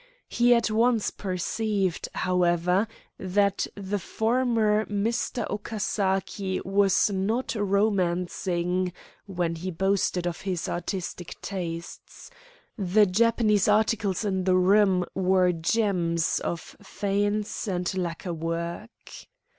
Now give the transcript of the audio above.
He at once perceived, however, that the "former" Mr. Okasaki was not romancing when he boasted of his artistic tastes. The Japanese articles in the room were gems of faience and lacquer work.